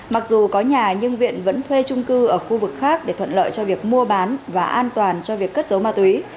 mặc dù có nhà nhưng viện vẫn thuê trung cư ở khu vực khác để thuận lợi cho việc mua bán và an toàn cho việc cất dấu ma túy